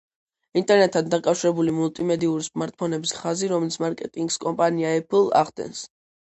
ინტერნეტთან დაკავშირებული მულტიმედიური სმარტფონების ხაზი, რომლის მარკეტინგს კომპანია Apple ახდენს